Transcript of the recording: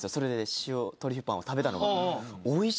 塩トリュフパンを食べたのが。